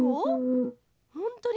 ほんとに。